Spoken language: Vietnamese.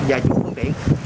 và chủ phương tiện